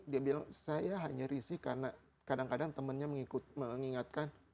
dia bilang saya hanya risih karena kadang kadang temannya mengingatkan